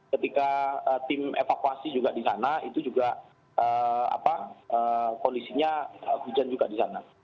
ketika tim evakuasi juga di sana itu juga kondisinya hujan juga di sana